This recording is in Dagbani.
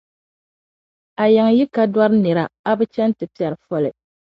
A yiŋa yi ka dɔri nira, a bi chɛn' ti piɛri foli.